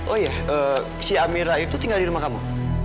oh iya si amera itu tinggal di rumah kamu